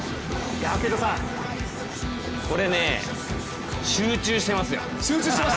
これね、集中してますよ。